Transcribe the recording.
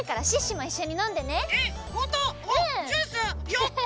やった！